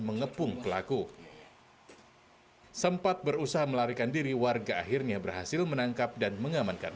mengepung pelaku sempat berusaha melarikan diri warga akhirnya berhasil menangkap dan mengamankan